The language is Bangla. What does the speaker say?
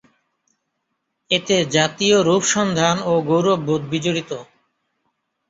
এতে জাতীয় রূপ সন্ধান ও গৌরববোধ বিজড়িত।